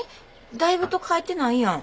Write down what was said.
だいぶと帰ってないやん。